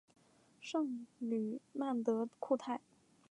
圣吕曼德库泰。